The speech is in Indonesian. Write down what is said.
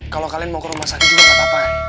kalau kalian mau ke rumah sakit juga gak apa apa